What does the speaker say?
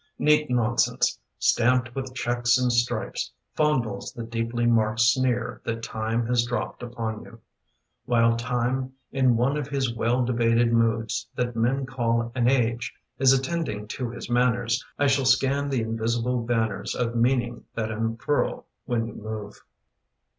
Neat nonsense, stamped with checks and stripes, Fondles the deeply marked sneer That Time has dropped upon you. While Time, in one of his well debated moods That men call an age, is attending to his manners, I shall scan the invisible banners Of meaning that unfurl when you move.